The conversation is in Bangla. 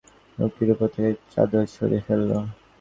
লোকটি টান দিয়ে ঘুমিয়ে থাকা লোকটির ওপর থেকে চাদর সরিয়ে ফেলল।